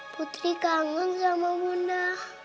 putri kangang sama bunda